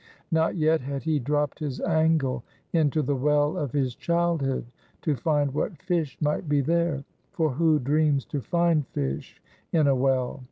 Not yet had he dropped his angle into the well of his childhood, to find what fish might be there; for who dreams to find fish in a well?